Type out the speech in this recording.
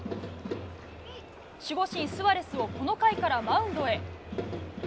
守護神スアレスをこの回からマウンドへ。